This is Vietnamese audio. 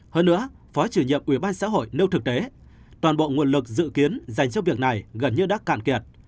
hơn nữa phó chủ nhiệm ubx nêu thực tế toàn bộ nguồn lực dự kiến dành cho việc này gần như đã cạn kiệt